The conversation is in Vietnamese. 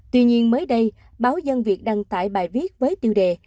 tuy nhiên mới đây báo dân việt đăng tải bài viết với tiêu đề